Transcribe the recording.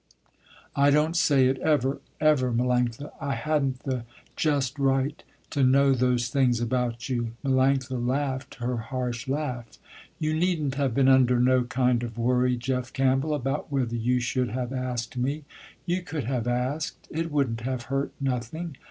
I don't say it ever, ever, Melanctha, I hadn't the just right to know those things about you." Melanctha laughed her harsh laugh. "You needn't have been under no kind of worry, Jeff Campbell, about whether you should have asked me. You could have asked, it wouldn't have hurt nothing.